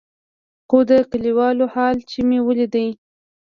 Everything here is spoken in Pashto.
خو د کليوالو حال چې مې وليد.